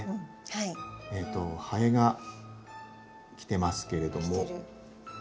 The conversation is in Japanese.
ハエが来てますけれども。来てる。